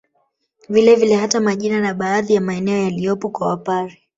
Vile vile hata majina na baadhi ya maeneo yaliyopo kwa Wapare